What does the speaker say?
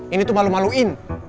ini tuh malu maluin